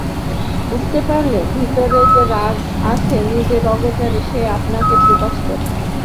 বুঝতে পারলে, ভিতরে যে রাগ আছে নিজের অগোচরে সে আপনাকে প্রকাশ করে।